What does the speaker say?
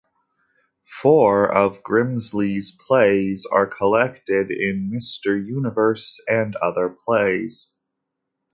Four of Grimsley's plays are collected in "Mr. Universe and Other Plays".